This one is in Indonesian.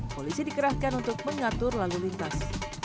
polisi dikerahkan untuk mengatur lalu lintas